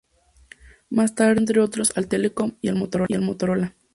Más tarde, dirigió, entre otros, al Telekom y al Motorola.